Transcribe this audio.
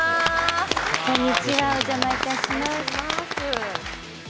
こんにちは、お邪魔します。